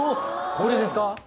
これですか？